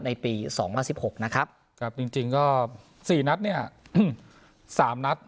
ในปีสองพันสิบหกนะครับครับจริงจริงก็สี่นัดเนี่ยสามนัด